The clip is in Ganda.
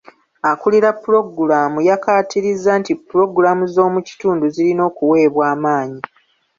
Akuulira pulogulaamu yakkaatirizza nti pulogulaamu z'omukitundu zirina okuweebwa amaanyi.